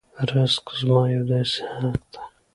رزق زما یو داسې حق دی.